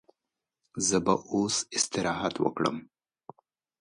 زه به اوس استراحت وکړم.